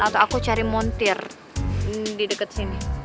atau aku cari montir di dekat sini